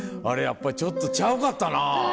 やっぱりちょっとちゃうかったな。